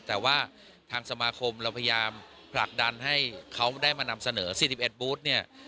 แต่ว่าทางสมาคมเราพยายามผลักดันให้เขาได้มานำเสนอ๔๑บูธเนี่ย